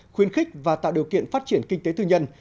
khuyến khích và tạo điều kiện phát triển kinh tế tư nhân